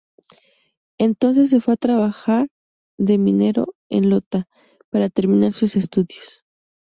Entonces se fue a trabaja de minero en Lota, para terminar sus estudios.